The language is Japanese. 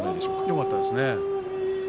よかったですね。